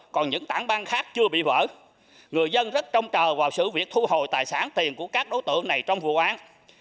còn những tảng băng khác chưa bị vỡ người dân rất trông chờ vào sự việc thu hồi tài sản tiền của các đối tượng này trong vụ án